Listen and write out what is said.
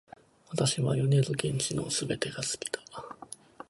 私は米津玄師の全てが好きだ